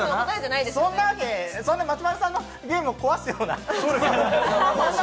そんな松丸さんのゲームを壊すような。